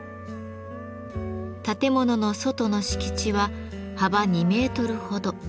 建物の外の敷地は幅２メートルほど。